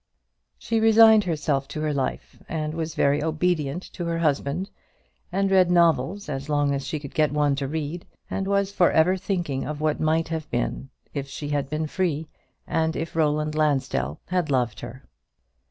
She resigned herself to her life, and was very obedient to her husband, and read novels as long as she could get one to read, and was for ever thinking of what might have been if she had been free, and if Roland Lansdell had loved her.